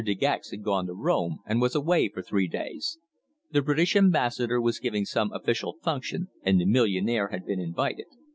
De Gex had gone to Rome, and was away for three days. The British Ambassador was giving some official function and the millionaire had been invited.